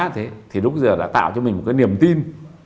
thì lúc giờ đã tạo cho mình một cái niềm tin